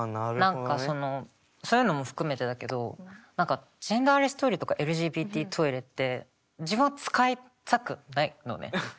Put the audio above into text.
何かそういうのも含めてだけど何かジェンダーレストイレとかＬＧＢＴトイレって自分は使いたくないのね。